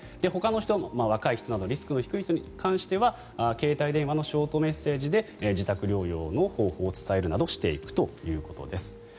ほかの人、若い人などリスクの低い人に対しては携帯電話のショートメッセージで自宅療養の方法を伝えるなどしていくということです。